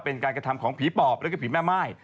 เป็นการกระทำของผีปอบแล้วก็ผีแม่ม่าย